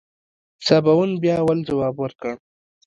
سباوون بيا اول ځواب ورکړ.